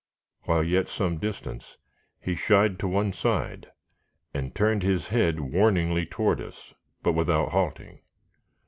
While yet some distance, he shied to one side, and turned his head warningly toward us, but without halting.